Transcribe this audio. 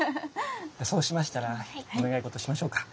そうしましたらお願い事しましょうか。